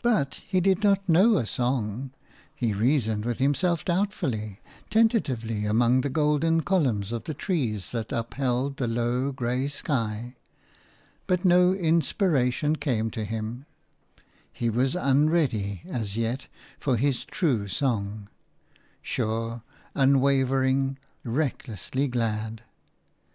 But he did not know a song! He reasoned with himself doubtfully, tentatively, among the golden columns of the trees that upheld the low, grey sky; but no inspiration came to him; he was unready, as yet, for his true song – sure, unwavering, recklessly glad.